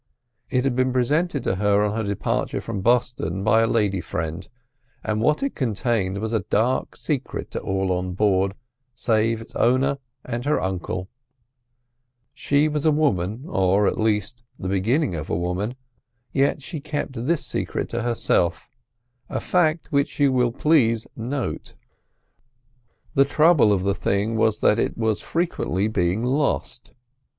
It had been presented to her on her departure from Boston by a lady friend, and what it contained was a dark secret to all on board, save its owner and her uncle; she was a woman, or, at all events, the beginning of a woman, yet she kept this secret to herself—a fact which you will please note. The trouble of the thing was that it was frequently being lost.